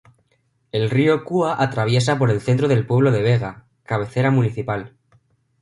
El río Cúa atraviesa por el centro del pueblo de Vega, cabecera municipal.